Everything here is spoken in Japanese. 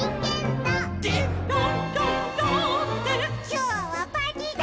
「きょうはパーティーだ！」